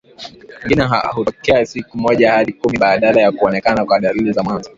mwingine hutokea siku moja hadi kumi baada ya kuonekana kwa dalili za mwanzo